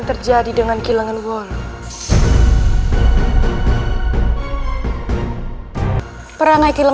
seseorang yang telah mencintai munawansi